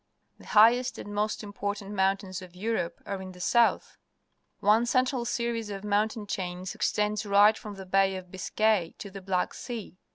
The highest and most important moim tains of Europe are in the south. One central series of mountain chains extends right from the Bay of Biscay to the Black Sea.